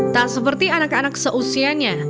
tak seperti anak anak seusianya